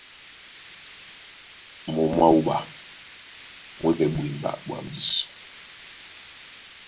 Mǒm mwá wúɓa mú e pɛ́ ɓwemba ɓwambí.